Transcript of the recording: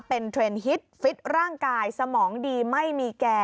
เป็นเทรนด์ฮิตฟิตร่างกายสมองดีไม่มีแก่